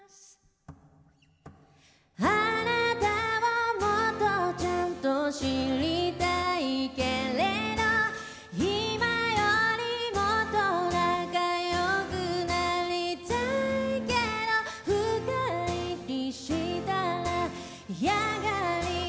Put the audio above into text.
貴方をもっとちゃんと知りたいけれど今よりもっと仲良くなりたいけど深入りしたら嫌がりませんか？